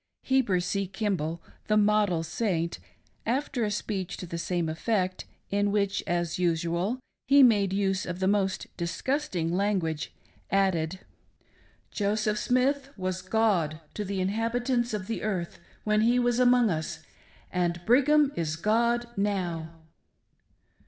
Heber C. Kimball, the " model Saint," after a speech to the same effect, in which, as usual, he made use of the most dis gusting language, added : "Joseph Smith was God to the inhabitants of the earth when he was among us, and Brigham is God now